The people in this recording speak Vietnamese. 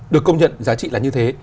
được công nhận giá trị là như thế